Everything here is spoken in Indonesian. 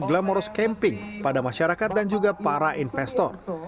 glamorous camping pada masyarakat dan juga para investor